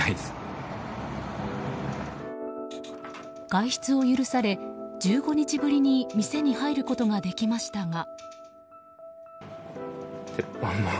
外出を許され、１５日ぶりに店に出ることができましたが。